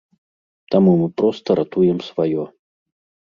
Таму мы проста ратуем сваё.